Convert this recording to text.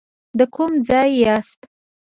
د کوم ځای یاست.